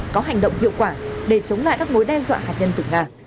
có hành động hiệu quả để chống lại các mối đe dọa hạt nhân từ nga